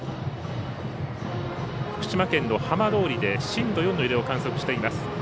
福島県の浜通りで震度４の揺れを観測しています。